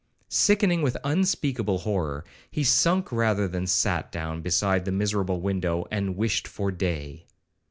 Sickening with unspeakable horror, he sunk rather than sat down beside the miserable window, and 'wished for day.'